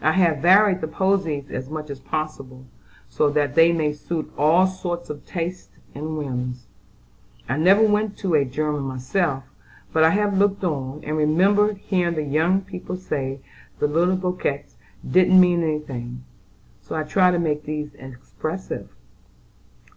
I have varied the posies as much as possible, so that they may suit all sorts of tastes and whims. I never went to a 'German' myself; but I have looked on, and remember hearing the young people say the little bouquets didn't mean any thing, so I tried to make these expressive."